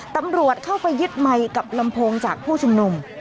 ตำรวจเข้าไปยึดไมค์กับลำโพงจากผู้ชุมนุม